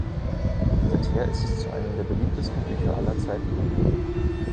Seither ist es zu einem der beliebtesten Bücher aller Zeiten geworden.